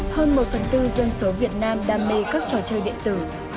hơn một phần tư dân số việt nam đam mê các trò chơi điện tử